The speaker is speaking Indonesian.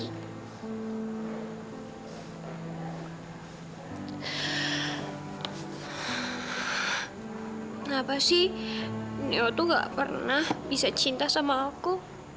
kenapa sih aku gak pernah bisa cinta sama aku